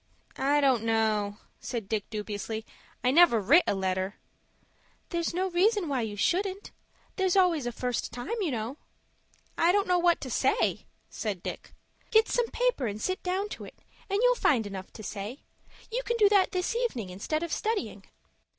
"I don't know," said Dick, dubiously. "I never writ a letter." "That's no reason why you shouldn't. There's always a first time, you know." "I don't know what to say," said Dick. "Get some paper and sit down to it, and you'll find enough to say. You can do that this evening instead of studying."